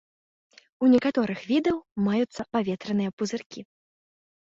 У некаторых відаў маюцца паветраныя пузыркі.